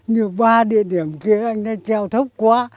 như ba địa điểm kia anh treo thấp quá